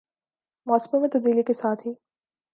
موسموں میں تبدیلی کے ساتھ ہی